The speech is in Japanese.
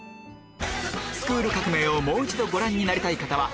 『スクール革命！』をもう一度ご覧になりたい方は